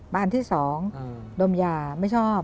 มาอันที่สองดมยาไม่ชอบ